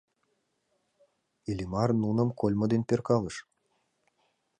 Иллимар нуным кольмо ден перкалыш.